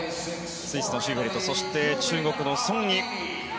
スイスのシーフェルト中国のソン・イ。